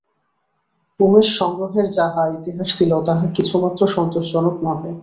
উমেশ সংগ্রহের যাহা ইতিহাস দিল তাহা কিছুমাত্র সন্তোষজনক নহে।